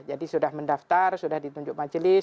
jadi sudah mendaftar sudah ditunjuk majelis